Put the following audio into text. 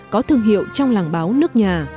có thương hiệu trong làng báo nước nhà